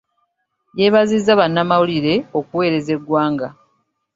Yeebazizza bannamawulire okuweereza eggwanga .